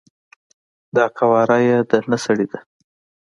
دا قواره یی د نه سړی ده،